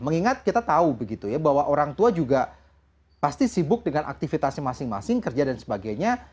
mengingat kita tahu begitu ya bahwa orang tua juga pasti sibuk dengan aktivitasnya masing masing kerja dan sebagainya